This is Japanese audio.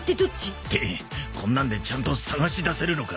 ってこんなんでちゃんと捜しだせるのか？